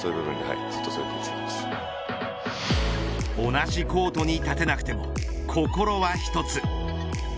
同じコートに立てなくても心は一つ。